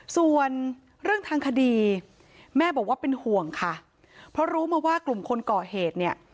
ส่วนเรื่องทางคดีแม่บอกว่าเป็นห่วงค่ะเพราะรู้มาว่ากลุ่มคนก่อเหตุเนี่ย